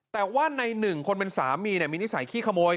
แต่ว่าใน๑คนเป็นสามีเนี่ยมีนิสัยขี้ขโมย